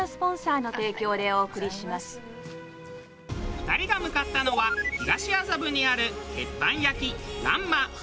２人が向かったのは東麻布にある鉄板焼蘭麻。